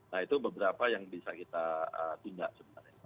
nah itu beberapa yang bisa kita tunjakan